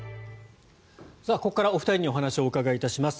ここからお二人にお話を伺います。